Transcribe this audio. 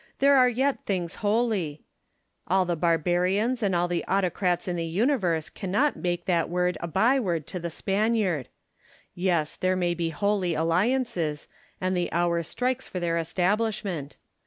there are yet things holy : all the barbarians and all the autocrats in the universe cannot make that word a byword to the Spaniard. Yes, there may be holy alliances ; and the hour strikes for their establishment.